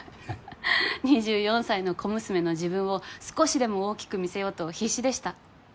２４歳の小娘の自分を少しでも大きく見せようと必死でした。